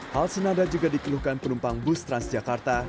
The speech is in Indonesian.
hal senada juga dikeluhkan penumpang bus transjakarta